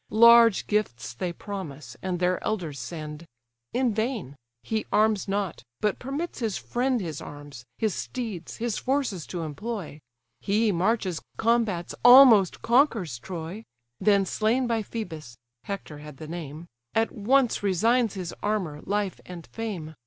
Large gifts they promise, and their elders send; In vain—he arms not, but permits his friend His arms, his steeds, his forces to employ: He marches, combats, almost conquers Troy: Then slain by Phœbus (Hector had the name) At once resigns his armour, life, and fame.